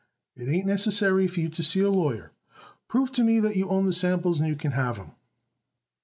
"It ain't necessary for you to see a lawyer. Prove to me that you own the samples and you can have 'em."